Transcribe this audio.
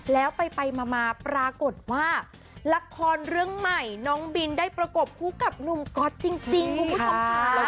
แล้วไปมาปรากฏว่าละครเรื่องใหม่น้องบินได้ประกบคู่กับหนุ่มก๊อตจริงคุณผู้ชมค่ะ